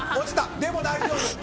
でも大丈夫。